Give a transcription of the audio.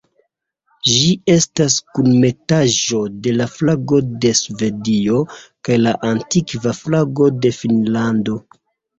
Ĝi estas kunmetaĵo de la flago de Svedio kaj la antikva flago de Finnlando.